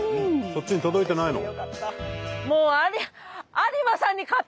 そっちに届いてないの？